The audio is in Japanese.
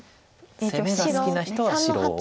攻めが好きな人は白を。